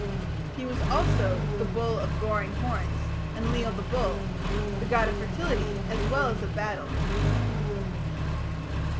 He was also "the bull of goring horns ... Enlil the bull", the god of fertility as well as of battle.